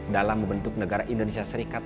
dalam membentuk negara indonesia serikat